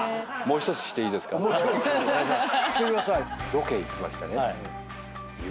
ロケ行きましてね。